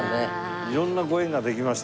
色んなご縁ができましたね。